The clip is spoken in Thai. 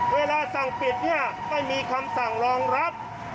เวลาสั่งปิดเนี่ยไม่มีคำสั่งรองรับ